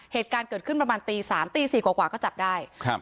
เหตุการณ์เกิดขึ้นประมาณตีสามตีสี่กว่ากว่าก็จับได้ครับ